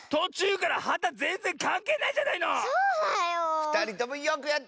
ふたりともよくやった！